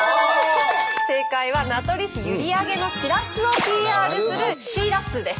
正解は名取市閖上のしらすをＰＲするシー・ラッスーです。